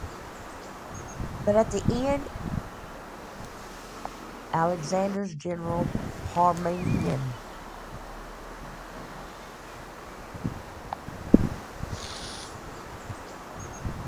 But at the end they were subdued by Alexander's general Parmenion.